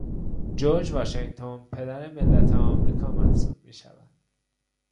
جورج واشنگتن پدر ملت امریکا محسوب میشود.